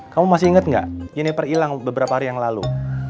kamu masih ingat nggak jenniper hilang beberapa hari yang lalu